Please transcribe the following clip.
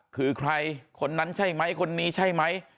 คือใครคนนั้นใช่ไหมคนนี้ใช่ไหม